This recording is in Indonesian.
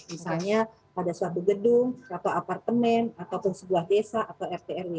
misalnya pada suatu gedung atau apartemen ataupun sebuah desa atau rt rw